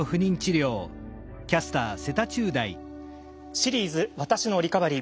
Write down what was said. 「シリーズ私のリカバリー」。